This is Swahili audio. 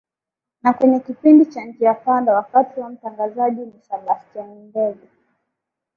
na kwenye kipindi cha Njia Panda wakati huo mtangazaji ni Sebastian Ndege